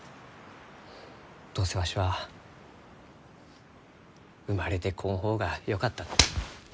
どうせわしは生まれてこん方がよかった。